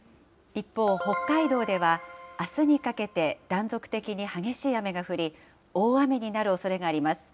一方、北海道ではあすにかけて断続的に激しい雨が降り、大雨になるおそれがあります。